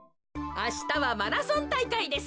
あしたはマラソンたいかいです。